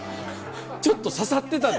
ちょっと刺さってたで？